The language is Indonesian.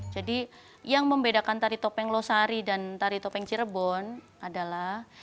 yang membedakan tari topeng losari dan tari topeng cirebon adalah